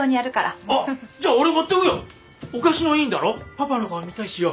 パパの顔見たいしよ。